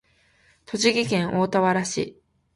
栃木県大田原市